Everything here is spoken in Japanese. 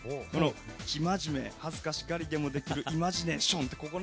「生真面目恥ずかしがりまでもできるイマジネーション」